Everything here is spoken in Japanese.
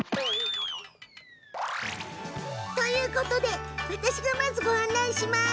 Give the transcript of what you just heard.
ということで私がご案内します。